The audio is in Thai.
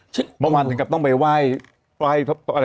เมื่อวานถึงต้องไปว่าย